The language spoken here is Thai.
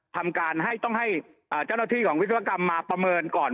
ทำการให้ต้องให้เจ้าหน้าที่ของวิศวกรรมมาประเมินก่อน